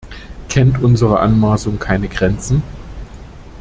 Kennt unsere Anmaßung keine Grenzen?